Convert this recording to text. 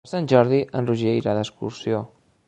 Per Sant Jordi en Roger irà d'excursió.